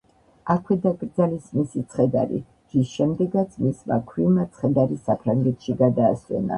აქვე დაკრძალეს მისი ცხედარი, რის შემდეგაც მისმა ქვრივმა ცხედარი საფრანგეთში გადაასვენა.